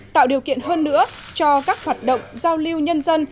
tạo điều kiện hơn nữa cho các hoạt động giao lưu nhân dân